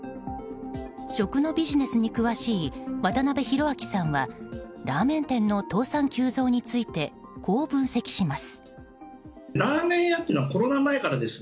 食のビジネスに詳しい渡辺広明さんはラーメン店の倒産急増についてこう分析します。